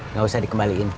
nggak usah dikembalikan